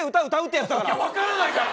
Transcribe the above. いや分からないから！